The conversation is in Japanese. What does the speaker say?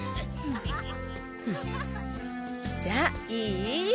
じゃあいい？